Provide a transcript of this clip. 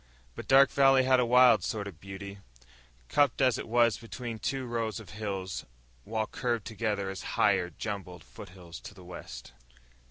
But Dark Valley had a wild sort of beauty, cupped as it was between two rows of hills which curved together as higher, jumbled foothills to the west.